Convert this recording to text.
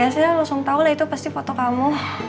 saya langsung tahu lah itu pasti foto kamu